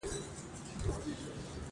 هغه هغې ته د صادق ګلونه ګلان ډالۍ هم کړل.